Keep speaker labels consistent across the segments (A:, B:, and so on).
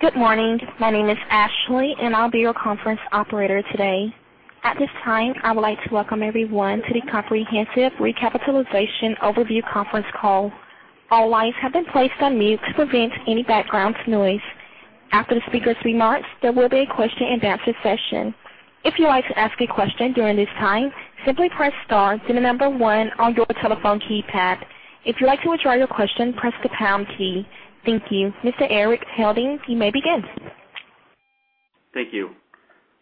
A: Good morning. My name is Ashley, and I'll be your conference operator today. At this time, I would like to welcome everyone to the Comprehensive Recapitalization Overview Conference Call. All lines have been placed on mute to prevent any background noise. After the speakers' remarks, there will be a question and answer session. If you would like to ask a question during this time, simply press star, then the number 1 on your telephone keypad. If you'd like to withdraw your question, press the pound key. Thank you. Mr. Erik Helding, you may begin.
B: Thank you.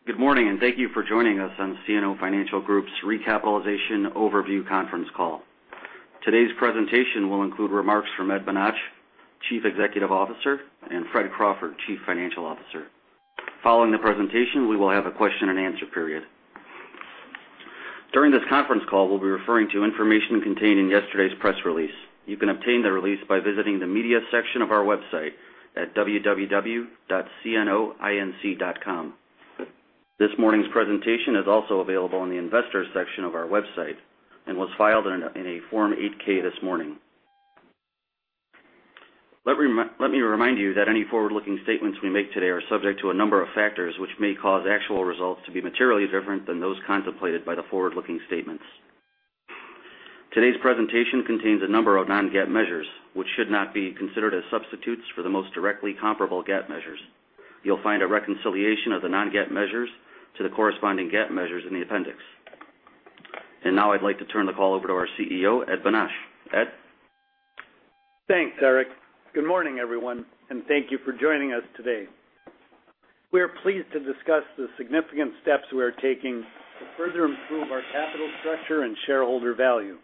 B: Good morning, and thank you for joining us on CNO Financial Group's Recapitalization Overview Conference Call. Today's presentation will include remarks from Ed Bonach, Chief Executive Officer, and Frederick Crawford, Chief Financial Officer. Following the presentation, we will have a question and answer period. During this conference call, we'll be referring to information contained in yesterday's press release. You can obtain the release by visiting the media section of our website at www.cnoinc.com. This morning's presentation is also available in the investors section of our website and was filed in a Form 8-K this morning. Let me remind you that any forward-looking statements we make today are subject to a number of factors which may cause actual results to be materially different than those contemplated by the forward-looking statements. Today's presentation contains a number of non-GAAP measures which should not be considered as substitutes for the most directly comparable GAAP measures. You'll find a reconciliation of the non-GAAP measures to the corresponding GAAP measures in the appendix. Now I'd like to turn the call over to our CEO, Ed Bonach. Ed?
C: Thanks, Erik. Good morning, everyone, and thank you for joining us today. We are pleased to discuss the significant steps we are taking to further improve our capital structure and shareholder value.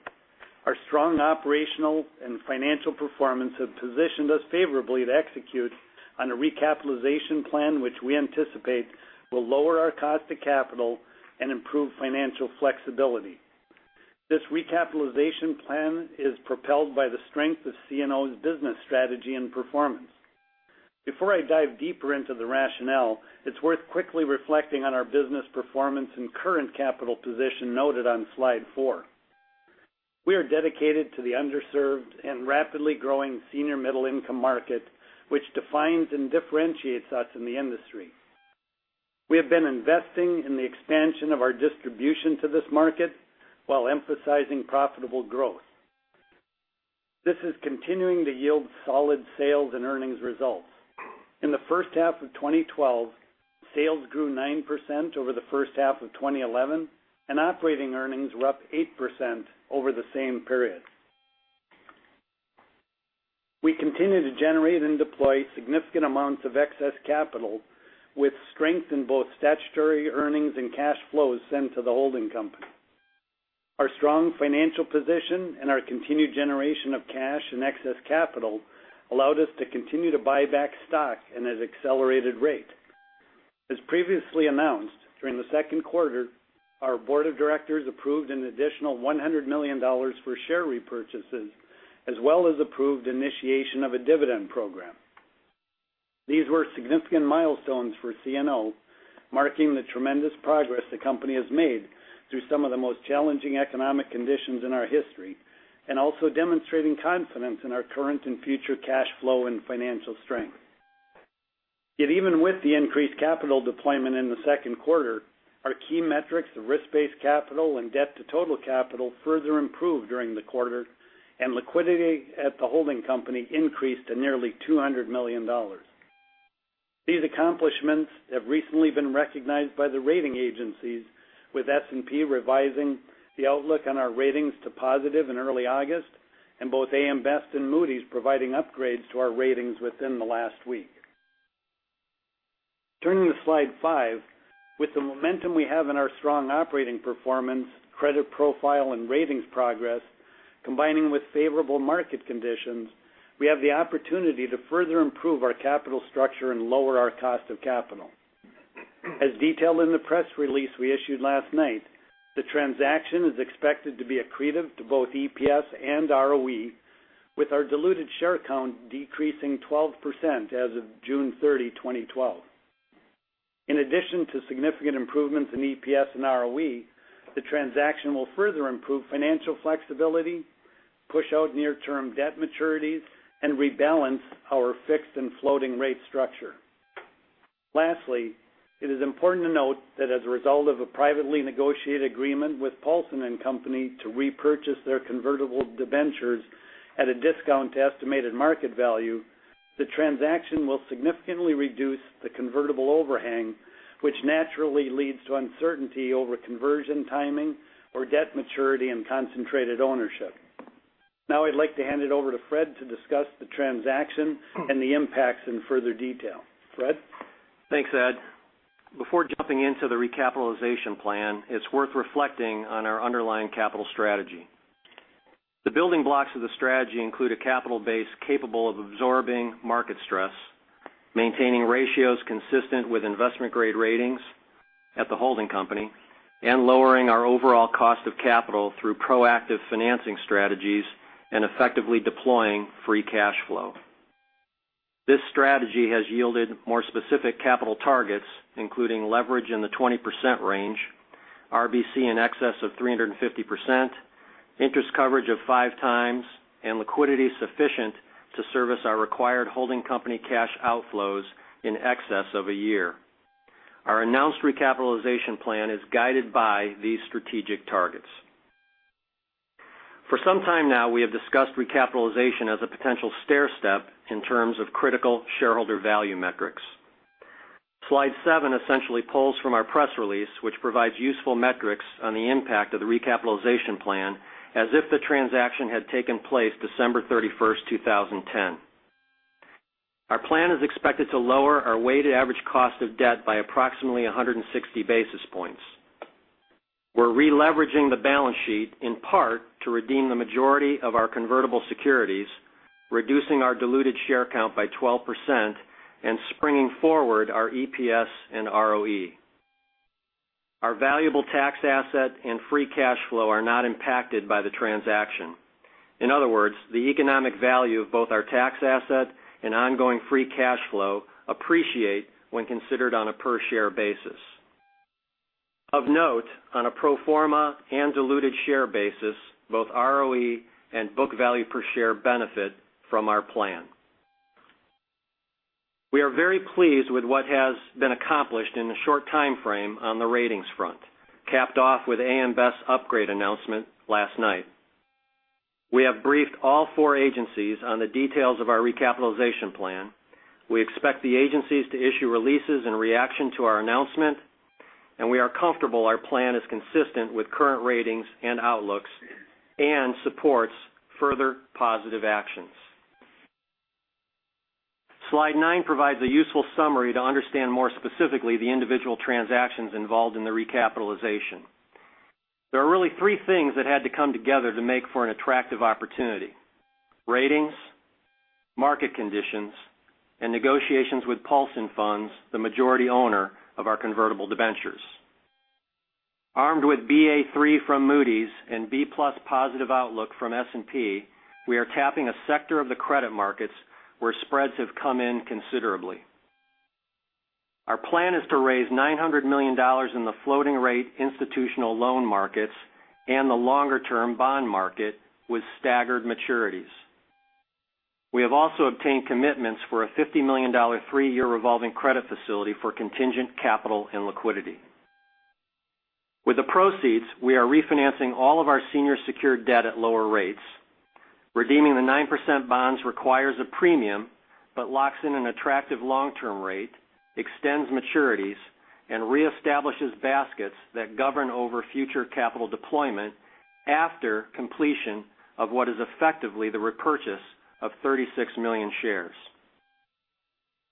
C: Our strong operational and financial performance have positioned us favorably to execute on a recapitalization plan which we anticipate will lower our cost to capital and improve financial flexibility. This recapitalization plan is propelled by the strength of CNO's business strategy and performance. Before I dive deeper into the rationale, it's worth quickly reflecting on our business performance and current capital position noted on slide four. We are dedicated to the underserved and rapidly growing senior middle income market, which defines and differentiates us in the industry. We have been investing in the expansion of our distribution to this market while emphasizing profitable growth. This is continuing to yield solid sales and earnings results. In the first half of 2012, sales grew nine % over the first half of 2011, and operating earnings were up eight % over the same period. We continue to generate and deploy significant amounts of excess capital with strength in both statutory earnings and cash flows sent to the holding company. Our strong financial position and our continued generation of cash and excess capital allowed us to continue to buy back stock at an accelerated rate. As previously announced, during the second quarter, our board of directors approved an additional $100 million for share repurchases, as well as approved initiation of a dividend program. These were significant milestones for CNO, marking the tremendous progress the company has made through some of the most challenging economic conditions in our history and also demonstrating confidence in our current and future cash flow and financial strength. Even with the increased capital deployment in the second quarter, our key metrics of risk-based capital and debt to total capital further improved during the quarter, and liquidity at the holding company increased to nearly $200 million. These accomplishments have recently been recognized by the rating agencies, with S&P revising the outlook on our ratings to positive in early August and both AM Best and Moody's providing upgrades to our ratings within the last week. Turning to slide five. With the momentum we have in our strong operating performance, credit profile, and ratings progress, combining with favorable market conditions, we have the opportunity to further improve our capital structure and lower our cost of capital. As detailed in the press release we issued last night, the transaction is expected to be accretive to both EPS and ROE, with our diluted share count decreasing 12% as of June 30, 2012. In addition to significant improvements in EPS and ROE, the transaction will further improve financial flexibility, push out near-term debt maturities, and rebalance our fixed and floating rate structure. Lastly, it is important to note that as a result of a privately negotiated agreement with Paulson & Co. to repurchase their convertible debentures at a discount to estimated market value, the transaction will significantly reduce the convertible overhang, which naturally leads to uncertainty over conversion timing or debt maturity and concentrated ownership. I'd like to hand it over to Fred to discuss the transaction and the impacts in further detail. Fred?
D: Thanks, Ed. Before jumping into the recapitalization plan, it's worth reflecting on our underlying capital strategy. The building blocks of the strategy include a capital base capable of absorbing market stress, maintaining ratios consistent with investment-grade ratings at the holding company, and lowering our overall cost of capital through proactive financing strategies and effectively deploying free cash flow. This strategy has yielded more specific capital targets, including leverage in the 20% range RBC in excess of 350%, interest coverage of five times, and liquidity sufficient to service our required holding company cash outflows in excess of a year. Our announced recapitalization plan is guided by these strategic targets. For some time now, we have discussed recapitalization as a potential stairstep in terms of critical shareholder value metrics. Slide seven essentially pulls from our press release, which provides useful metrics on the impact of the recapitalization plan as if the transaction had taken place December 31st, 2010. Our plan is expected to lower our weighted average cost of debt by approximately 160 basis points. We're re-leveraging the balance sheet in part to redeem the majority of our convertible securities, reducing our diluted share count by 12% and springing forward our EPS and ROE. Our valuable tax asset and free cash flow are not impacted by the transaction. In other words, the economic value of both our tax asset and ongoing free cash flow appreciate when considered on a per share basis. Of note, on a pro forma and diluted share basis, both ROE and book value per share benefit from our plan. We are very pleased with what has been accomplished in a short timeframe on the ratings front, capped off with AM Best upgrade announcement last night. We have briefed all four agencies on the details of our recapitalization plan. We expect the agencies to issue releases in reaction to our announcement. We are comfortable our plan is consistent with current ratings and outlooks and supports further positive actions. Slide nine provides a useful summary to understand more specifically the individual transactions involved in the recapitalization. There are really three things that had to come together to make for an attractive opportunity: ratings, market conditions, and negotiations with Paulson Funds, the majority owner of our convertible debentures. Armed with Ba3 from Moody's and B+ positive outlook from S&P, we are tapping a sector of the credit markets where spreads have come in considerably. Our plan is to raise $900 million in the floating rate institutional loan markets and the longer-term bond market with staggered maturities. We have also obtained commitments for a $50 million three-year revolving credit facility for contingent capital and liquidity. With the proceeds, we are refinancing all of our senior secured debt at lower rates. Redeeming the 9% bonds requires a premium but locks in an attractive long-term rate, extends maturities, and reestablishes baskets that govern over future capital deployment after completion of what is effectively the repurchase of 36 million shares.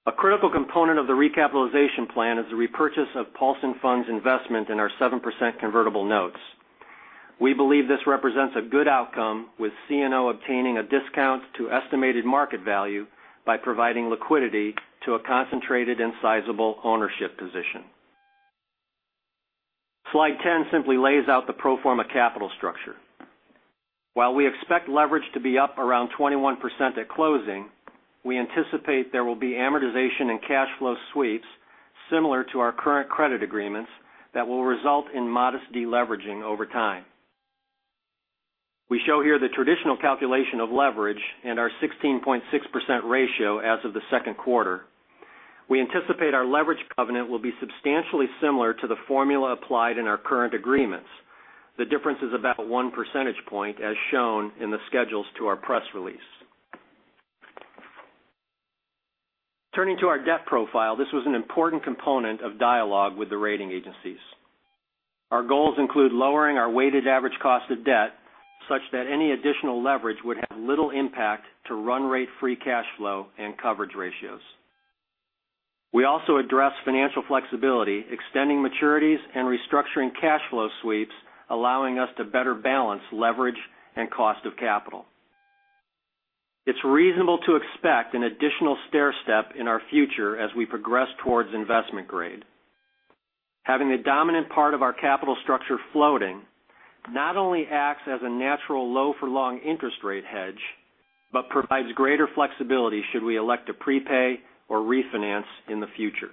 D: A critical component of the recapitalization plan is the repurchase of Paulson Funds investment in our 7% convertible notes. We believe this represents a good outcome, with CNO obtaining a discount to estimated market value by providing liquidity to a concentrated and sizable ownership position. Slide 10 simply lays out the pro forma capital structure. While we expect leverage to be up around 21% at closing, we anticipate there will be amortization and cash flow sweeps similar to our current credit agreements that will result in modest de-leveraging over time. We show here the traditional calculation of leverage and our 16.6% ratio as of the second quarter. We anticipate our leverage covenant will be substantially similar to the formula applied in our current agreements. The difference is about one percentage point, as shown in the schedules to our press release. Turning to our debt profile, this was an important component of dialogue with the rating agencies. Our goals include lowering our weighted average cost of debt such that any additional leverage would have little impact to run rate free cash flow and coverage ratios. We also address financial flexibility, extending maturities, and restructuring cash flow sweeps, allowing us to better balance leverage and cost of capital. It's reasonable to expect an additional stairstep in our future as we progress towards investment grade. Having the dominant part of our capital structure floating not only acts as a natural low for long interest rate hedge, but provides greater flexibility should we elect to prepay or refinance in the future.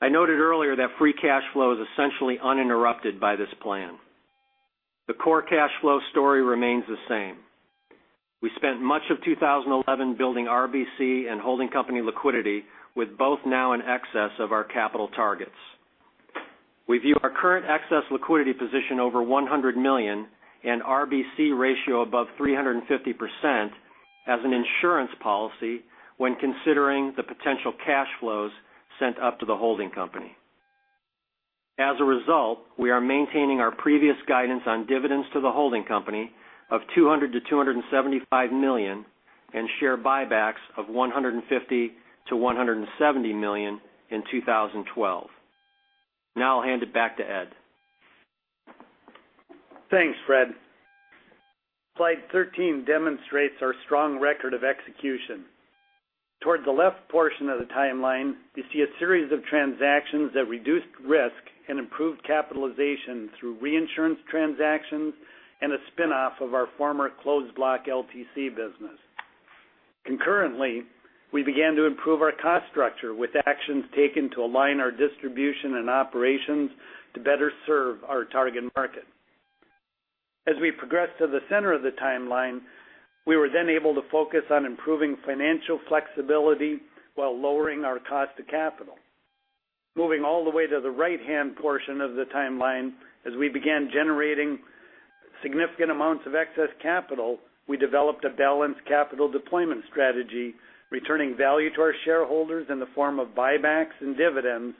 D: I noted earlier that free cash flow is essentially uninterrupted by this plan. The core cash flow story remains the same. We spent much of 2011 building RBC and holding company liquidity, with both now in excess of our capital targets. We view our current excess liquidity position over $100 million and RBC ratio above 350% as an insurance policy when considering the potential cash flows sent up to the holding company. As a result, we are maintaining our previous guidance on dividends to the holding company of $200 million-$275 million and share buybacks of $150 million-$170 million in 2012. I'll hand it back to Ed.
C: Thanks, Fred. Slide 13 demonstrates our strong record of execution. Towards the left portion of the timeline, you see a series of transactions that reduced risk and improved capitalization through reinsurance transactions and a spinoff of our former Closed Block LTC business. Concurrently, we began to improve our cost structure with actions taken to align our distribution and operations to better serve our target market. As we progressed to the center of the timeline, we were then able to focus on improving financial flexibility while lowering our cost to capital. Moving all the way to the right-hand portion of the timeline, as we began generating significant amounts of excess capital, we developed a balanced capital deployment strategy, returning value to our shareholders in the form of buybacks and dividends,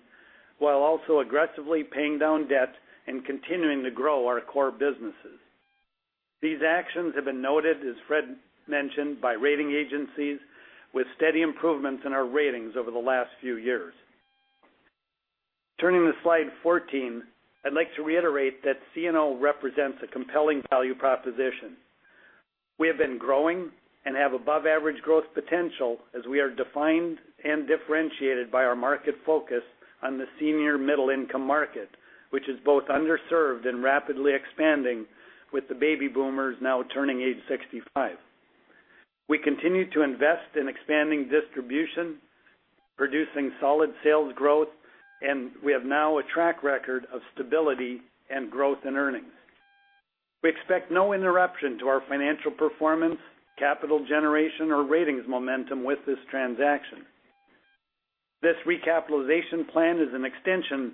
C: while also aggressively paying down debt and continuing to grow our core businesses. These actions have been noted, as Fred mentioned, by rating agencies with steady improvements in our ratings over the last few years. Turning to slide 14, I'd like to reiterate that CNO represents a compelling value proposition. We have been growing and have above-average growth potential as we are defined and differentiated by our market focus on the senior middle-income market, which is both underserved and rapidly expanding with the baby boomers now turning age 65. We continue to invest in expanding distribution, producing solid sales growth, and we have now a track record of stability and growth in earnings. We expect no interruption to our financial performance, capital generation, or ratings momentum with this transaction. This recapitalization plan is an extension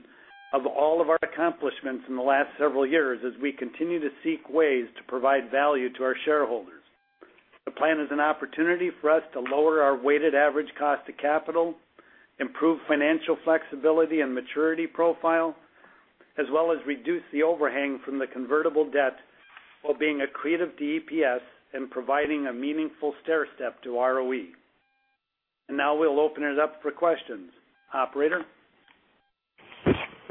C: of all of our accomplishments in the last several years as we continue to seek ways to provide value to our shareholders. The plan is an opportunity for us to lower our weighted average cost to capital, improve financial flexibility and maturity profile, as well as reduce the overhang from the convertible debt while being accretive to EPS and providing a meaningful stairstep to ROE. Now we'll open it up for questions. Operator?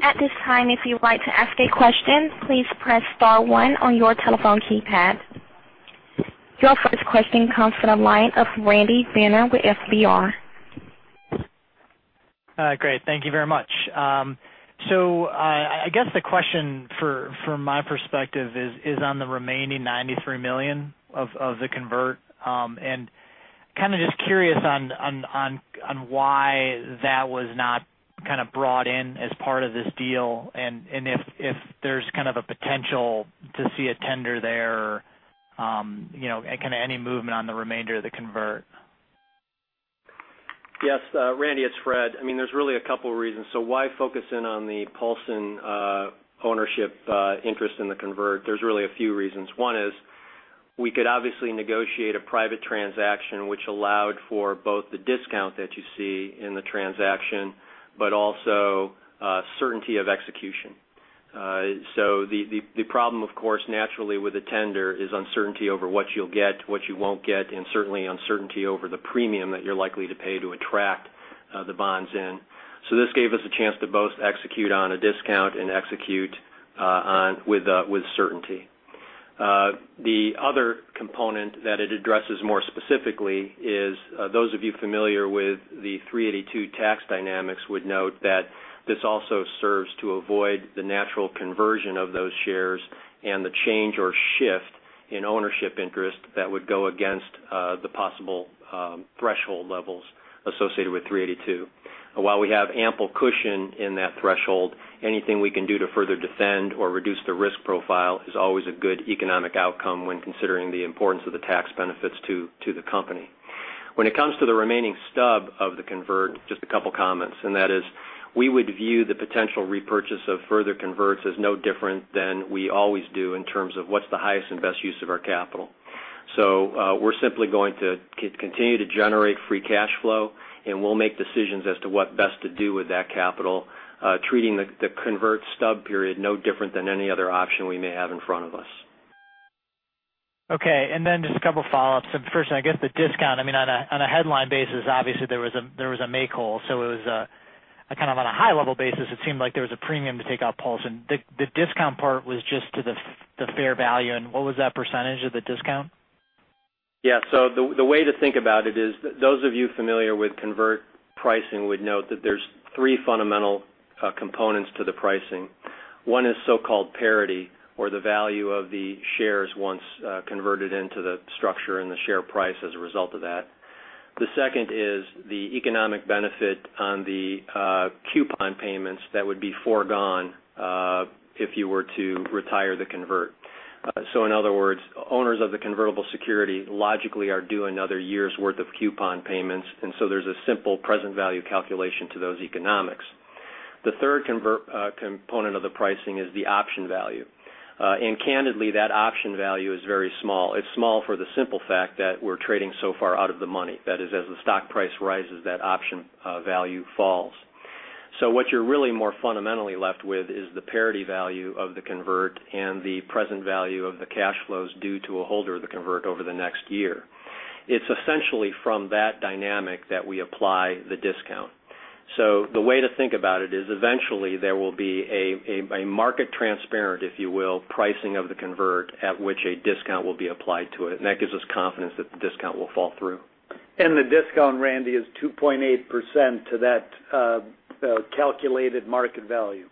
A: At this time, if you'd like to ask a question, please press star one on your telephone keypad. Your first question comes from the line of Randy Binner with FBR.
E: Great. Thank you very much. I guess the question from my perspective is on the remaining $93 million of the convert. Kind of just curious on why that was not brought in as part of this deal, if there's a potential to see a tender there, kind of any movement on the remainder of the convert.
D: Yes. Randy, it's Fred. There's really a couple of reasons. Why focus in on the Paulson ownership interest in the convert? There's really a few reasons. One is we could obviously negotiate a private transaction which allowed for both the discount that you see in the transaction, also certainty of execution. The problem, of course, naturally with a tender is uncertainty over what you'll get, what you won't get, certainly uncertainty over the premium that you're likely to pay to attract the bonds in. This gave us a chance to both execute on a discount and execute with certainty. The other component that it addresses more specifically is those of you familiar with the 382 tax dynamics would note that this also serves to avoid the natural conversion of those shares and the change or shift in ownership interest that would go against the possible threshold levels associated with 382. While we have ample cushion in that threshold, anything we can do to further defend or reduce the risk profile is always a good economic outcome when considering the importance of the tax benefits to the company. When it comes to the remaining stub of the convert, just a couple of comments, we would view the potential repurchase of further converts as no different than we always do in terms of what's the highest and best use of our capital. We're simply going to continue to generate free cash flow, and we'll make decisions as to what best to do with that capital, treating the convert stub period no different than any other option we may have in front of us.
E: Just a couple of follow-ups. First, I guess the discount, on a headline basis, obviously there was a make-whole. On a high level basis, it seemed like there was a premium to take out Paulson. The discount part was just to the fair value, and what was that % of the discount?
D: Yeah. The way to think about it is those of you familiar with convert pricing would note that there's three fundamental components to the pricing. One is so-called parity, or the value of the shares once converted into the structure and the share price as a result of that. The second is the economic benefit on the coupon payments that would be foregone if you were to retire the convert. In other words, owners of the convertible security logically are due another year's worth of coupon payments, there's a simple present value calculation to those economics. The third component of the pricing is the option value. Candidly, that option value is very small. It's small for the simple fact that we're trading so far out of the money. That is, as the stock price rises, that option value falls. What you're really more fundamentally left with is the parity value of the convert and the present value of the cash flows due to a holder of the convert over the next year. It's essentially from that dynamic that we apply the discount. The way to think about it is eventually there will be a market transparent, if you will, pricing of the convert at which a discount will be applied to it, and that gives us confidence that the discount will fall through.
C: The discount, Randy, is 2.8% to that calculated market value.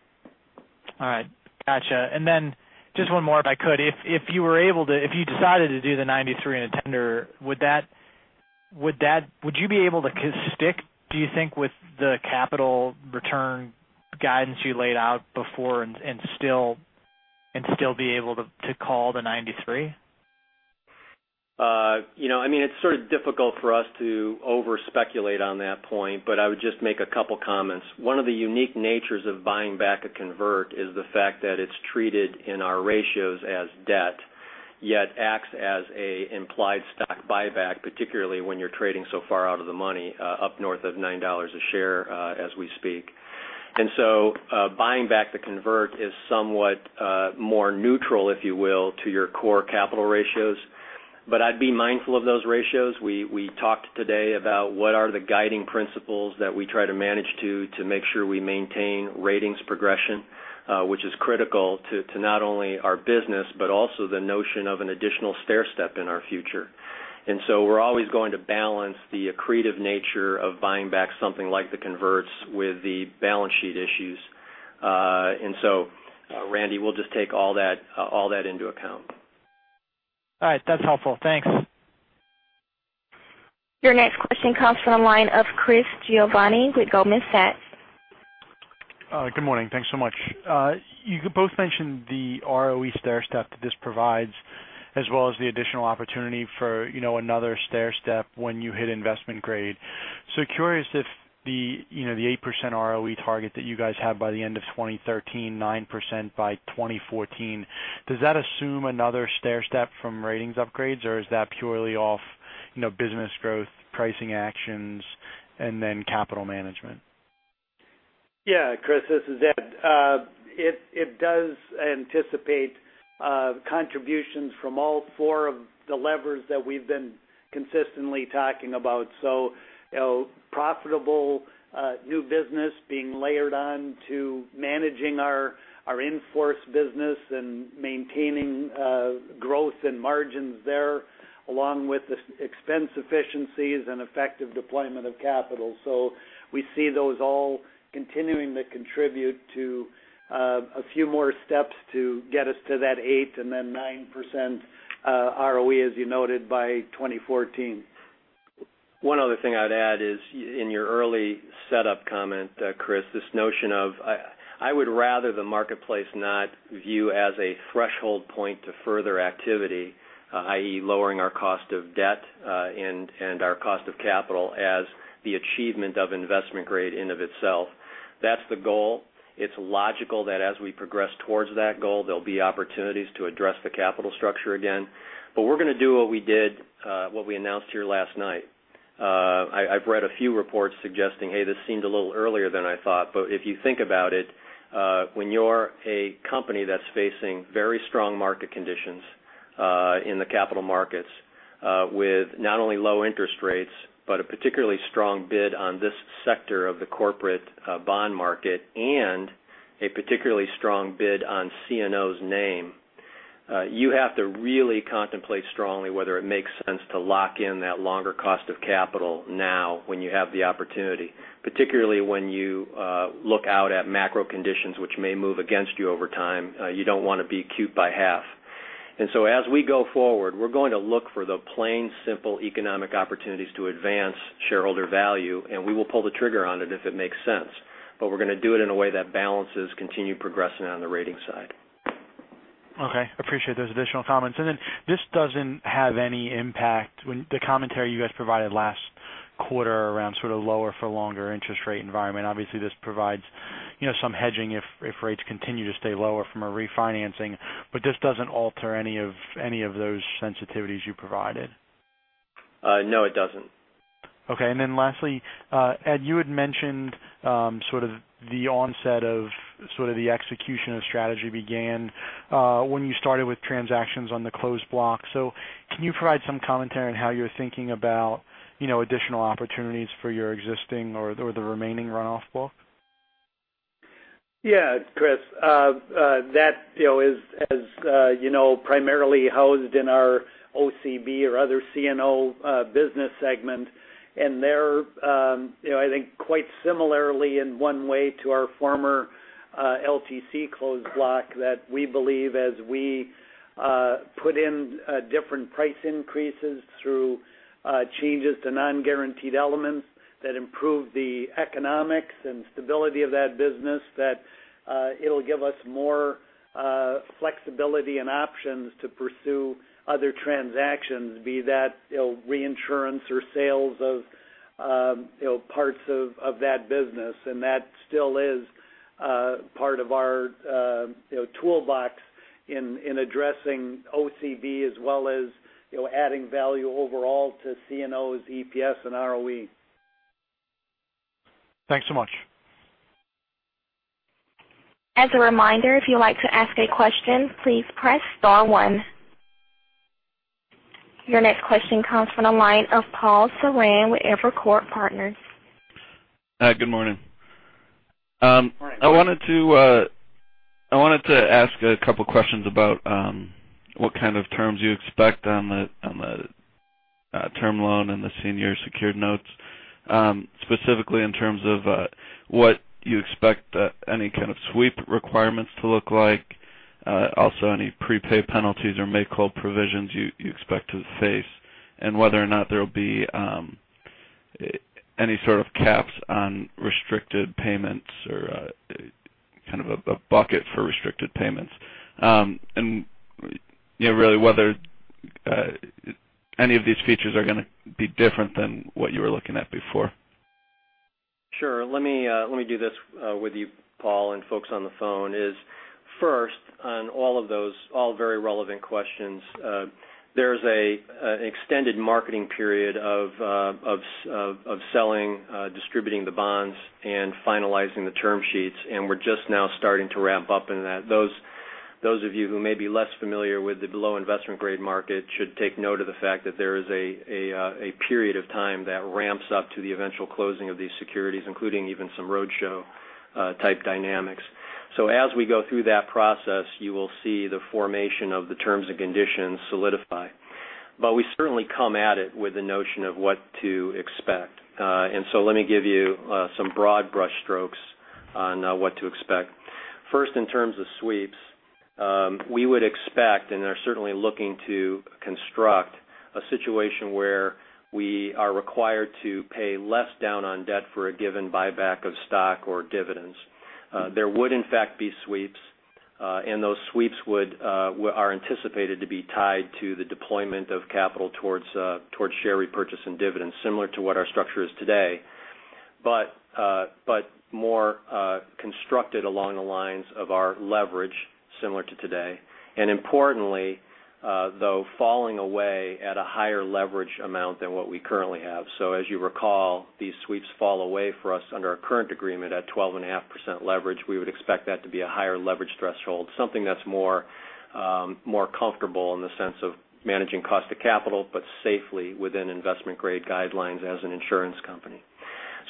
E: All right. Got you. Just one more if I could. If you decided to do the 93 in a tender, would you be able to stick, do you think, with the capital return guidance you laid out before and still be able to call the 93?
D: It's sort of difficult for us to over-speculate on that point, but I would just make a couple comments. One of the unique natures of buying back a convert is the fact that it's treated in our ratios as debt, yet acts as a implied stock buyback, particularly when you're trading so far out of the money, up north of $9 a share, as we speak. Buying back the convert is somewhat more neutral, if you will, to your core capital ratios. I'd be mindful of those ratios. We talked today about what are the guiding principles that we try to manage to make sure we maintain ratings progression, which is critical to not only our business, but also the notion of an additional stairstep in our future. We're always going to balance the accretive nature of buying back something like the converts with the balance sheet issues. Randy, we'll just take all that into account.
E: All right. That's helpful. Thanks.
A: Your next question comes from the line of Chris Giovanni with Goldman Sachs.
F: Good morning. Thanks so much. You both mentioned the ROE stairstep that this provides as well as the additional opportunity for another stairstep when you hit investment grade. Curious if the 8% ROE target that you guys have by the end of 2013, 9% by 2014, does that assume another stairstep from ratings upgrades, or is that purely off business growth, pricing actions, and then capital management?
C: Chris, this is Ed. It does anticipate contributions from all four of the levers that we've been consistently talking about. Profitable new business being layered on to managing our in-force business and maintaining growth and margins there, along with expense efficiencies and effective deployment of capital. We see those all continuing to contribute to a few more steps to get us to that 8% and then 9% ROE, as you noted, by 2014.
D: One other thing I'd add is in your early setup comment, Chris, this notion of I would rather the marketplace not view as a threshold point to further activity, i.e. lowering our cost of debt and our cost of capital as the achievement of investment grade in of itself. That's the goal. It's logical that as we progress towards that goal, there'll be opportunities to address the capital structure again. We're going to do what we announced here last night. I've read a few reports suggesting, hey, this seemed a little earlier than I thought. If you think about it, when you're a company that's facing very strong market conditions in the capital markets with not only low interest rates, but a particularly strong bid on this sector of the corporate bond market, and a particularly strong bid on CNO's name, you have to really contemplate strongly whether it makes sense to lock in that longer cost of capital now when you have the opportunity. Particularly when you look out at macro conditions which may move against you over time. You don't want to be cute by half. As we go forward, we're going to look for the plain, simple economic opportunities to advance shareholder value, and we will pull the trigger on it if it makes sense. We're going to do it in a way that balances continued progressing on the rating side.
F: Okay. Appreciate those additional comments. This doesn't have any impact when the commentary you guys provided last quarter around sort of lower for longer interest rate environment. Obviously, this provides some hedging if rates continue to stay lower from a refinancing, but this doesn't alter any of those sensitivities you provided.
D: No, it doesn't.
F: Okay. Lastly, Ed, you had mentioned the onset of the execution of strategy began when you started with transactions on the Closed Block. Can you provide some commentary on how you're thinking about additional opportunities for your existing or the remaining runoff book?
C: Yeah, Chris. That is primarily housed in our OCB or other CNO business segment. They're, I think, quite similarly in one way to our former LTC Closed Block that we believe as we put in different price increases through changes to non-guaranteed elements that improve the economics and stability of that business, that it'll give us more flexibility and options to pursue other transactions, be that reinsurance or sales of parts of that business. That still is part of our toolbox in addressing OCB as well as adding value overall to CNO's EPS and ROE.
F: Thanks so much.
A: As a reminder, if you'd like to ask a question, please press star one. Your next question comes from the line of Paul Schranz with Evercore Inc..
E: Hi, good morning.
C: Morning.
E: I wanted to ask a couple questions about what kind of terms you expect on the
G: Term loan and the senior secured notes. Specifically in terms of what you expect any kind of sweep requirements to look like, also any prepay penalties or make-whole provisions you expect to face, and whether or not there'll be any sort of caps on restricted payments or kind of a bucket for restricted payments. Really, whether any of these features are going to be different than what you were looking at before.
D: Sure. Let me do this with you, Paul, and folks on the phone is first, on all of those, all very relevant questions, there's a extended marketing period of selling, distributing the bonds, and finalizing the term sheets, and we're just now starting to ramp up in that. Those of you who may be less familiar with the below investment grade market should take note of the fact that there is a period of time that ramps up to the eventual closing of these securities, including even some roadshow type dynamics. As we go through that process, you will see the formation of the terms and conditions solidify. We certainly come at it with the notion of what to expect. Let me give you some broad brush strokes on what to expect.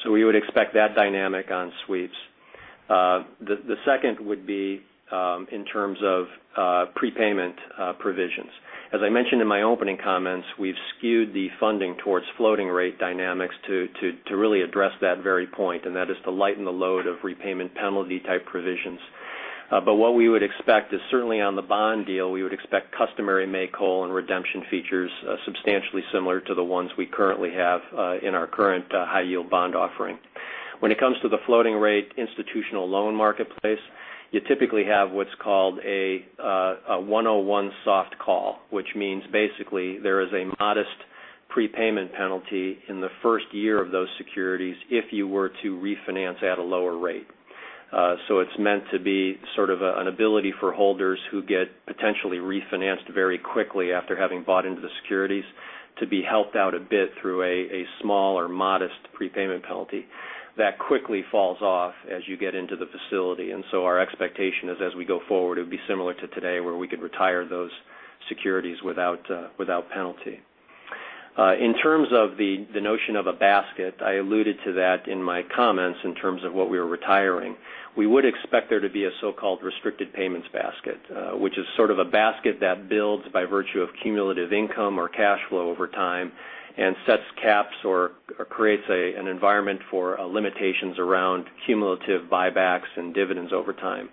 D: We would expect that dynamic on sweeps. The second would be, in terms of prepayment provisions. As I mentioned in my opening comments, we've skewed the funding towards floating rate dynamics to really address that very point, and that is to lighten the load of repayment penalty type provisions. What we would expect is certainly on the bond deal, we would expect customary make whole and redemption features substantially similar to the ones we currently have in our current high yield bond offering. When it comes to the floating rate institutional loan marketplace, you typically have what's called a 101 soft call, which means basically there is a modest prepayment penalty in the first year of those securities if you were to refinance at a lower rate. It's meant to be sort of an ability for holders who get potentially refinanced very quickly after having bought into the securities to be helped out a bit through a small or modest prepayment penalty and sets caps or creates an environment for limitations around cumulative buybacks and dividends over time.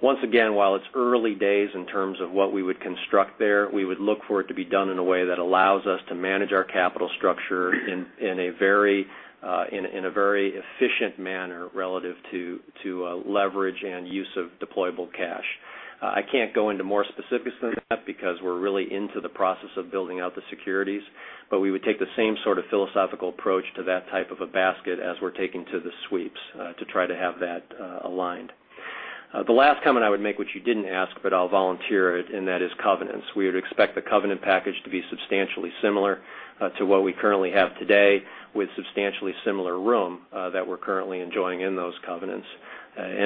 D: Once again, while it's early days in terms of what we would construct there, we would look for it to be done in a way that allows us to manage our capital structure in a very efficient manner relative to leverage and use of deployable cash. I can't go into more specifics than that because we're really into the process of building out the securities, but we would take the same sort of philosophical approach to that type of a basket as we're taking to the sweeps to try to have that aligned. The last comment I would make, which you didn't ask, but I'll volunteer it, and that is covenants. We would expect the covenant package to be substantially similar to what we currently have today, with substantially similar room that we're currently enjoying in those covenants.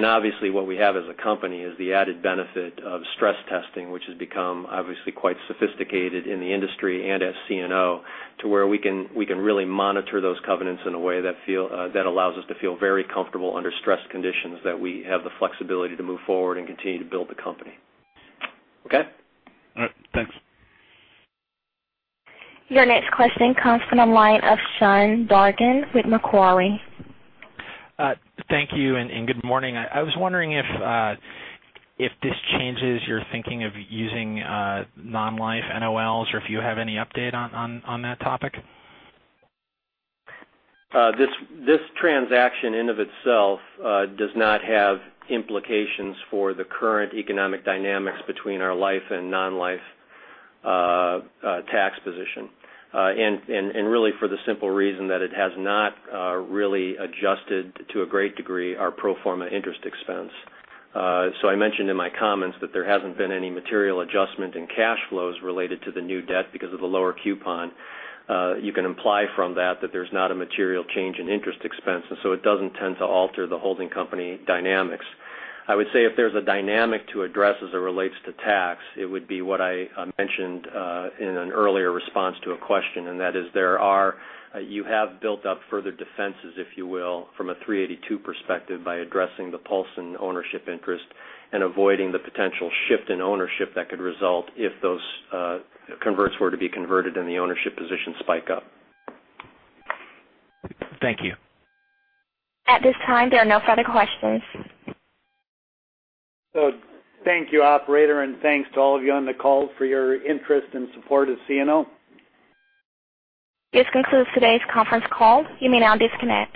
D: Obviously what we have as a company is the added benefit of stress testing, which has become obviously quite sophisticated in the industry and at CNO, to where we can really monitor those covenants in a way that allows us to feel very comfortable under stress conditions that we have the flexibility to move forward and continue to build the company. Okay?
G: All right. Thanks.
A: Your next question comes from the line of Sean Dargan with Macquarie.
H: Thank you, good morning. I was wondering if this changes your thinking of using non-life NOLs or if you have any update on that topic.
D: This transaction in of itself does not have implications for the current economic dynamics between our life and non-life tax position. Really for the simple reason that it has not really adjusted to a great degree our pro forma interest expense. I mentioned in my comments that there hasn't been any material adjustment in cash flows related to the new debt because of the lower coupon. You can imply from that there's not a material change in interest expense, it doesn't tend to alter the holding company dynamics. I would say if there's a dynamic to address as it relates to tax, it would be what I mentioned in an earlier response to a question, and that is you have built up further defenses, if you will, from a 382 perspective by addressing the Paulson ownership interest and avoiding the potential shift in ownership that could result if those converts were to be converted and the ownership position spike up.
H: Thank you.
A: At this time, there are no further questions.
D: Thank you, operator, and thanks to all of you on the call for your interest and support of CNO.
A: This concludes today's conference call. You may now disconnect.